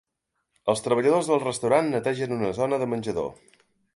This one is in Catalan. Els treballadors del restaurant netegen una zona de menjador.